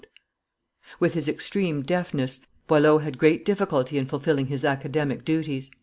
With his extreme deafness, Boileau had great difficulty in fulfilling his Academic duties.